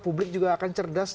publik juga akan cerdas